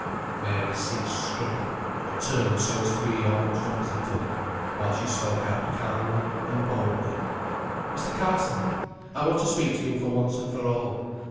Mary ceased struggling, but turned so as to be almost opposite to him, while she spoke out calmly and boldly, "Mr. Carson! I want to speak to you for once and for all.